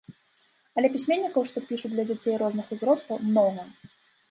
Але пісьменнікаў, што пішуць для дзяцей розных узростаў, многа.